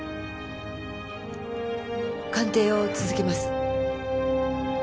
鑑定を続けます。